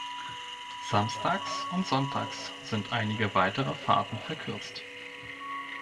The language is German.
Samstags und Sonntags sind einige weitere Fahrten verkürzt.